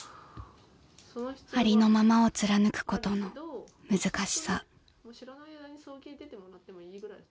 ［ありのままを貫くことの難しさ］